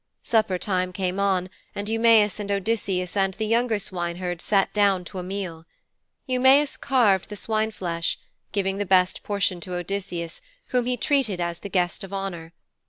Supper time came on, and Eumæus and Odysseus and the younger swineherds sat down to a meal. Eumæus carved the swineflesh, giving the best portion to Odysseus whom he treated as the guest of honour.